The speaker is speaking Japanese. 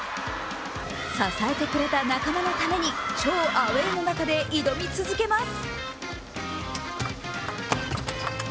支えてくれた仲間のために超アウェーの中で挑み続けます。